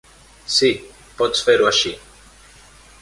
Sí, pots fer-ho així.